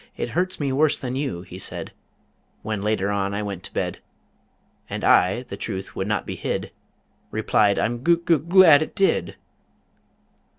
"It hurt me worse than you," he said, When later on I went to bed, And I the truth would not be hid Replied, "I'm gug gug glad it did!"